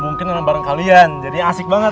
mungkin sama lo jadi asik banget